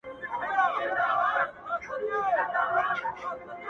زه چی هرڅومره زړېږم دغه فکر مي زیاتیږي!.